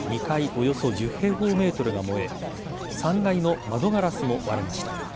およそ１０平方メートルが燃え３階の窓ガラスも割れました。